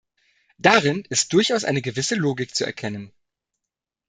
Darin ist durchaus eine gewisse Logik zu erkennen.